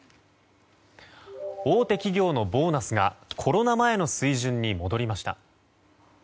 大手企業のボーナスがコロナ前の水準に戻りました。